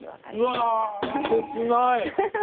うわ切ない。